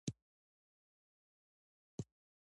تنوع د افغانستان د اقتصادي منابعو ارزښت زیاتوي.